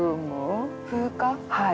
はい。